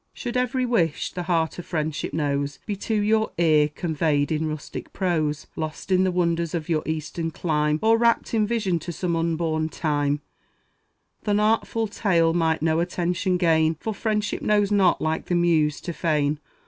Should every wish the heart of friendship knows Be to your ear conveyed in rustic prose, Lost in the wonders of your Eastern clime, Or rapt in vision to some unborn time, Th' unartful tale might no attention gain; For Friendship knows not, like the Muse, to feign.